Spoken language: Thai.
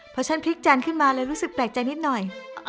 เพราะฉันพริกจานขึ้นมาแล้วรู้สึกแปลกใจนิดหน่อย